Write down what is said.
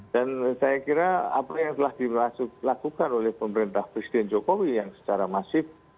dan saya kira apa yang telah dilakukan oleh pemerintah presiden jokowi yang secara masif